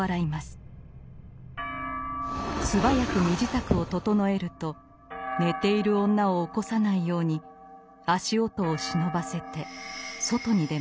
素早く身支度を整えると寝ている女を起こさないように足音をしのばせて外に出ました。